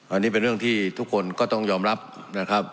อันนี้เป็นเรื่องที่ทุกคนก็ต้องยอมรับนะครับ